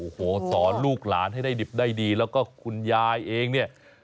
โอ้โหสอนลูกหลานให้ได้ดิบได้ดีแล้วก็คุณยายเองเนี่ย